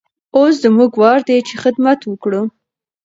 اوس زموږ وار دی چې خدمت وکړو.